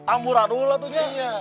amburadul atau nyah nyah